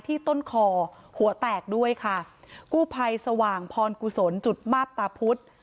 ต้นคอหัวแตกด้วยค่ะกู้ภัยสว่างพรกุศลจุดมาบตาพุธ